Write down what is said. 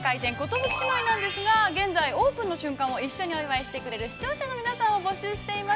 寿姉妹」なんですが、現在オープンの瞬間を一緒にお祝いしてくれる視聴者の皆さんを募集しています。